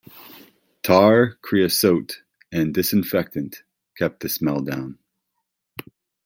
Tar, creosote, and disinfectant kept the smell down.